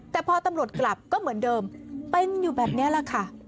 แต่พอตำรวจกลับก็เหมือนเดิมเป็นอยู่แบบนี้แหละค่ะ